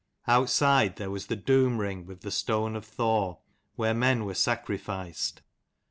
Outside there was the doom ring with the stone of Thor, where men were sacrificed.